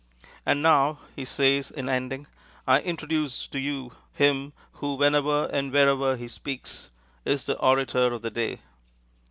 "And now," he says, in ending, "I introduce to you him who, whenever and wherever he speaks, is the orator of the day."